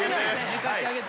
寝かしてあげて。